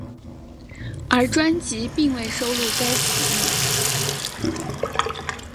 而专辑并未收录该曲目。